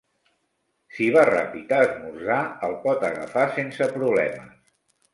Si va ràpid a esmorzar, el pot agafar sense problemes.